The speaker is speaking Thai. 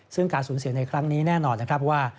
ซึ่งการสูญเสียในครั้งนี้แน่นอนนะครับว่า